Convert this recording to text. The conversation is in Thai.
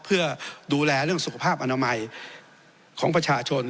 เพื่อดูแลเรื่องสุขภาพอนามัยของประชาชน